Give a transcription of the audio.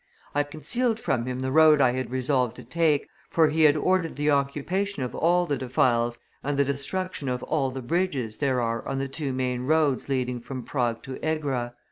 I concealed from him the road I had resolved to take, for he had ordered the occupation of all the defiles and the destruction of all the bridges there are on the two main roads leading from Prague to Egra.